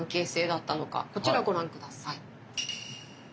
こちらご覧下さい。